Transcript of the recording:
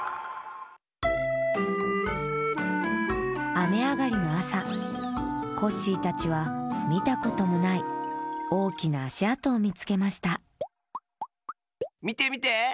あめあがりのあさコッシーたちはみたこともないおおきなあしあとをみつけましたみてみて！